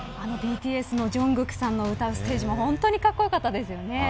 ＢＴＳのジョングクさんの歌うステージも本当にかっこよかったですよね。